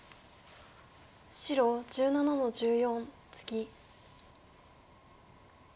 白１７の十四ツギ。